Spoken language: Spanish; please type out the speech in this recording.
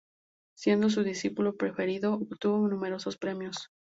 Siendo su discípulo preferido, obtuvo numerosos premios.